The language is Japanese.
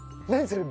それ。